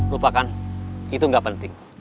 lupakan itu nggak penting